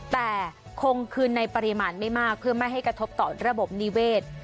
แต่คงคืนในปริมาณไม่มากเพื่อไม่ให้กระทบต่อระบบนิเวศ